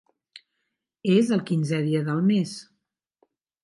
És el quinzè dia del mes.